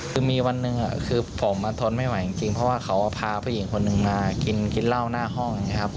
คือมีวันหนึ่งคือผมทนไม่ไหวจริงเพราะว่าเขาพาผู้หญิงคนหนึ่งมากินเหล้าหน้าห้องอย่างนี้ครับ